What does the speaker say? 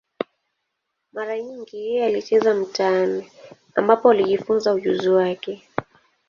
Mara nyingi yeye alicheza mitaani, ambapo alijifunza ujuzi wake.